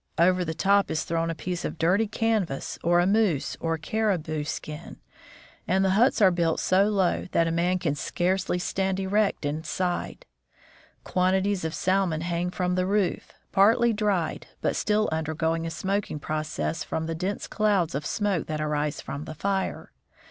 Over the top is thrown a piece of dirty canvas or a moose or caribou LIEUTENANT SCHWATKA IN ALASKA 101 skin, and the huts are built so low that a man can scarcely stand erect inside. Quantities of salmon hang from the roof, partly dried, but still undergoing a smoking process from the dense clouds of smoke that arise from the fire.